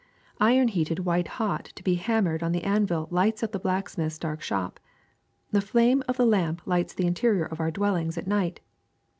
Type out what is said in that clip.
*^ Iron heated white hot to be hammered on the an vil lights up the blacksmith's dark shop. The flame of the lamp lights the interior of our dwellings at night.